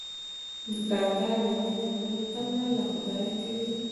دوکاندار د نیک عمل تمه له خدایه کوي.